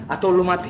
atau lu mati